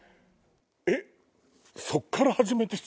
えっ⁉